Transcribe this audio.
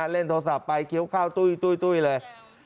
เล่นโทรศัพท์ไปเคี้ยวข้าวตุ้ยเลย